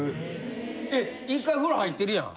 １回風呂入ってるやん。